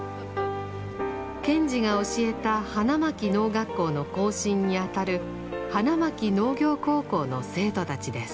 賢治が教えた花巻農学校の後身にあたる花巻農業高校の生徒たちです。